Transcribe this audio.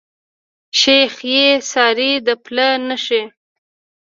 شيخ ئې څاري د پله نخښي